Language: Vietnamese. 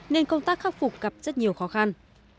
nên công tác khắc phục gặp rất nhiều khó khăn